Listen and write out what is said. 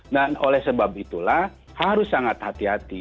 dan oleh sebab itulah harus sangat hati hati